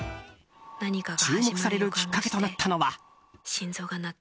注目されるきっかけとなったのが。